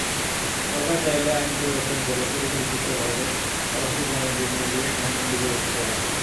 সরকার চাইলে আইন পরিবর্তন করে পরিকল্পিতভাবে আবাসিক-বাণিজ্যিক মিলিয়ে ধানমন্ডি গড়ে তুলতে পারে।